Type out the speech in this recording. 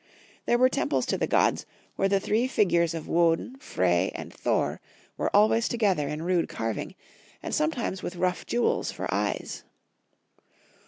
There were temples to the gods, where the three figures of Woden, Frey, and Thor were always together in rude carving, and sometimes with rough jewels for eyes.